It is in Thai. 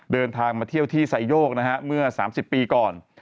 เดินทางมาเที่ยวที่ไซโยกนะฮะเมื่อ๓๐ปีก่อน